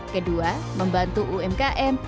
kedua membantu umkm